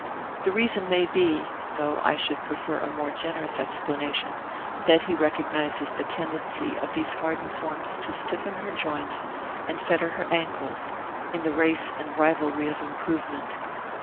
The reason may be (though I should prefer a more generous explanation) that he recognizes the tendency of these hardened forms to stiffen her joints and fetter her ankles, in the race and rivalry of improvement.